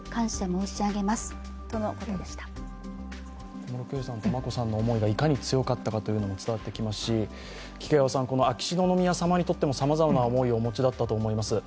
小室圭さんと眞子さんの思いがいかに強かったかというのが伝わってきますし、秋篠宮さまにとってもさまざまな思いをお持ちだったと思います。